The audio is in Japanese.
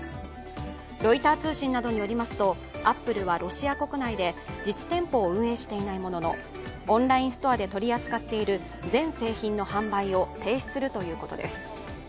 ロイター通信などによりますとアップルはロシア国内で実店舗を運営していないもののオンラインストアで取り扱っている全製品の販売を停止するということです。